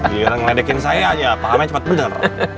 biar ngeledekin saya aja pahamnya cepat bener